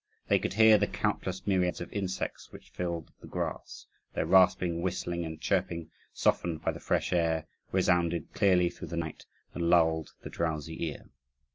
They could hear the countless myriads of insects which filled the grass; their rasping, whistling, and chirping, softened by the fresh air, resounded clearly through the night, and lulled the drowsy ear.